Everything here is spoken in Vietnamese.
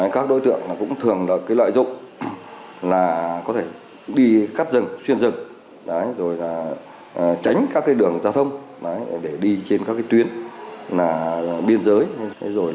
các đối tượng cũng thường lợi dụng đi cắt rừng xuyên rừng tránh các đường giao thông để đi trên các tuyến biên giới